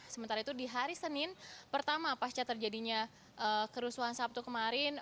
sementara itu di hari senin pertama pasca terjadinya kerusuhan sabtu kemarin